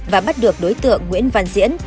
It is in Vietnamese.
và bắt được đối tượng nguyễn văn diễn